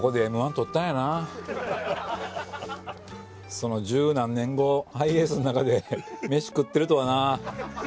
その十何年後ハイエースの中で飯食ってるとはな。